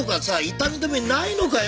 痛み止めないのかよ？